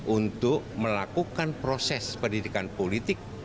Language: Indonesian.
untuk melakukan proses pendidikan politik